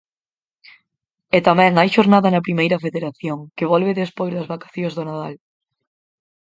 E tamén hai xornada na Primeira Federación, que volve despois das vacacións do Nadal.